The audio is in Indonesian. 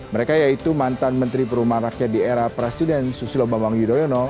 mereka yaitu mantan menteri perumahan rakyat di era presiden susilo bambang yudhoyono